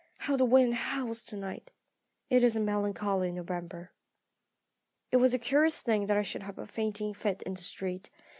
How the wind howls to night! "It is a melancholy November. "It was a curious thing that I should have a fainting fit in the street.